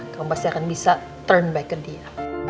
kamu pasti akan bisa kembali ke dia